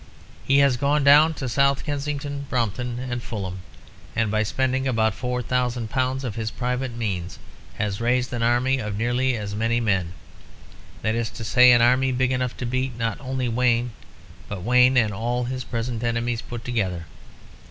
He has gone down to South Kensington, Brompton, and Fulham, and by spending about four thousand pounds of his private means, has raised an army of nearly as many men; that is to say, an army big enough to beat, not only Wayne, but Wayne and all his present enemies put together.